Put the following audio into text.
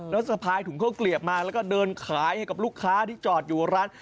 แล้วสะพายถุงข้าวเกลียบมาแล้วก็เดินขายให้กับลูกค้าที่จอดอยู่ร้าน